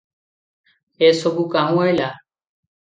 ଏ ସବୁ କାହୁଁ ଅଇଲା?"